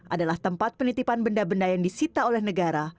adalah tempat penitipan benda benda yang disita oleh negara